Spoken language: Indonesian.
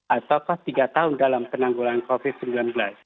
ataukah tiga tahun dalam penanggulan covid sembilan belas